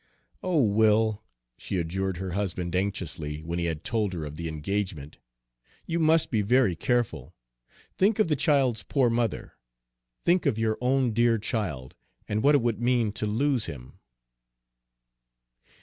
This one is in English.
"O Will," she adjured her husband anxiously, when he had told her of the engagement, "you must be very careful. Think of the child's poor mother! Think of our own dear child, and what it would mean to lose him!"